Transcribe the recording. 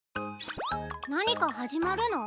なにかはじまるの？